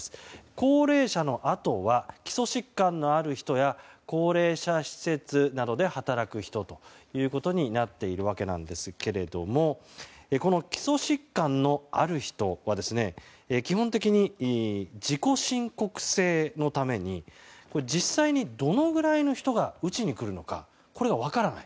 高齢者のあとは基礎疾患のある人や高齢者施設などで働く人ということになっているわけなんですけれどもこの基礎疾患のある人は基本的に自己申告制のために実際にどのぐらいの人が打ちに来るのかこれが分からない。